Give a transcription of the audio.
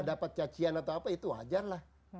dapat cacian atau apa itu wajar lah